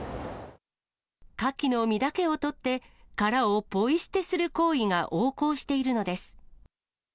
カキの身だけを取って、殻をポイ捨てする行為が横行しているのです。